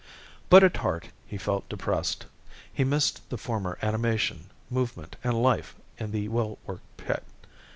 But at heart he felt depressed. He missed the former animation, movement, and life in the well worked pit.